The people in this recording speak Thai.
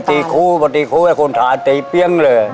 ก็ตีคู้ตีคู้ให้คนถาดตีเปี้ยงเลย